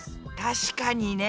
確かにね。